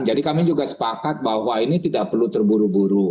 kami juga sepakat bahwa ini tidak perlu terburu buru